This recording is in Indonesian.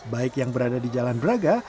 baik yang berada di jalan braga